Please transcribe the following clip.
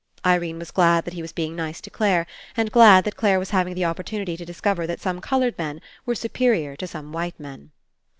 Irene was glad that he was being nice to Clare, and glad that Clare was having the opportunity to discover that some coloured men were superior to some white men.